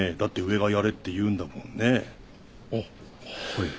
あっはい。